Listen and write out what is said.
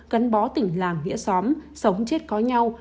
gắn bó tỉnh làng nghĩa xóm sống chết có nhau